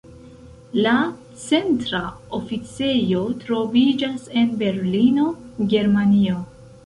La centra oficejo troviĝas en Berlino, Germanio.